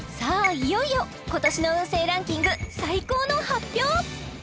いよいよ今年の運勢ランキング最高の発表！